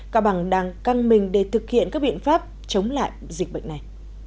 cao bằng đang căng mình để thực hiện các biện pháp chống lại dịch bệnh này